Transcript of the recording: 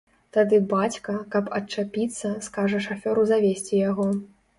Тады бацька, каб адчапіцца, скажа шафёру завезці яго.